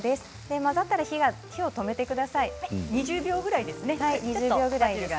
混ざったら火を止めてください。